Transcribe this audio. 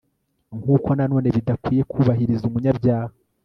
nk'uko nanone bidakwiye kubahiriza umunyabyaha